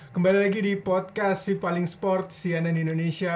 kembali lagi di podcast sipaling sport cnn indonesia